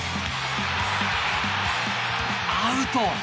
アウト。